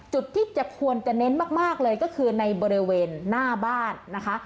จุดที่จะควรจะเน้นมากเลยก็คือในบริเวณหน้าบ้านนะคะ